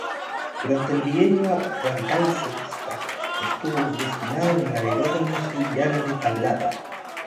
Durante el Bienio Radical-cedista, estuvo destinado en el aeródromo sevillano de Tablada.